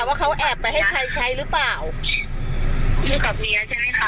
ว่าเขาแอบไปให้ใครใช้หรือเปล่าให้กับเมียใช่ไหมคะ